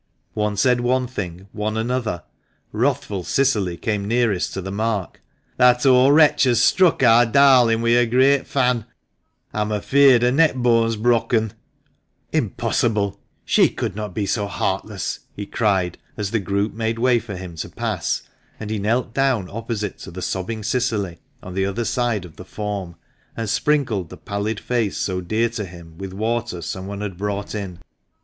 One said one thing, one another. Wrathful Cicily came nearest to the mark. "That old wretch has struck ar darlin' wi1 her great fan. A'm afeared her neckbone's brokken !"" Impossible ! She could not be so heartless !" he cried, as the group made way for him to pass, and he knelt down opposite to the sobbing Cicily, on the other side of the form, and sprinkled the pallid face so dear to him with water some one had brought in.